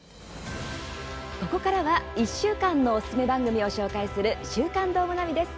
ここからは１週間のおすすめ番組を紹介する「週刊どーもナビ」です。